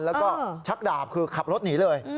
แล้วก็ชักดาบคือขับรถหนีเลย